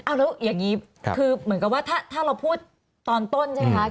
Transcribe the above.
เอาแล้วอย่างนี้คือเหมือนกับว่าถ้าเราพูดตอนต้นใช่ไหมคะ